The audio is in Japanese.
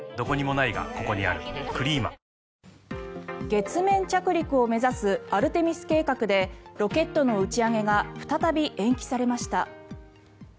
月面着陸を目指すアルテミス計画でロケットの打ち上げが再び延期されました。